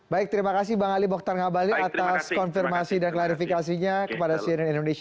baik terima kasih bang ali mokhtar ngabali atas konfirmasi dan klarifikasinya kepada cnn indonesia